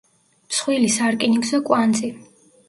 მსხვილი სარკინიგზო კვანძი.